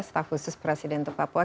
staf khusus presiden untuk papua